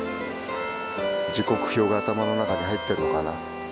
時刻表が頭の中に入っているのかな？